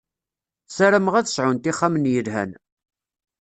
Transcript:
Sarameɣ ad sɛunt ixxamen yelhan.